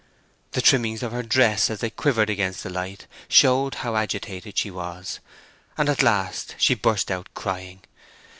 The trimmings of her dress, as they quivered against the light, showed how agitated she was, and at last she burst out crying.